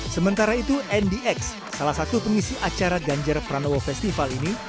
sementara itu andy x salah satu pengisi acara ganjar pranowo festival ini